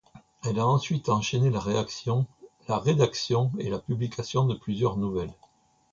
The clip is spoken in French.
Elle a ensuite enchaîné la rédaction et la publication de plusieurs nouvelles.